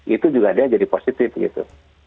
itu juga dia jadi positif gitu